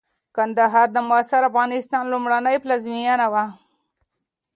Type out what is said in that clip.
کندهار د معاصر افغانستان لومړنۍ پلازمېنه وه.